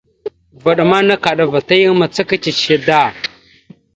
Vvaɗ ma nakaɗava ta yan macaka ciche da.